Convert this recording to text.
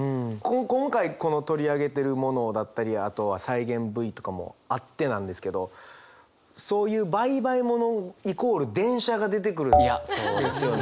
今回この取り上げてるものだったりあとは再現Ｖとかもあってなんですけどそういうバイバイものイコール電車が出てくるんですよね。